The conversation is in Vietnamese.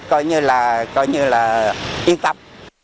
coi như là yên tâm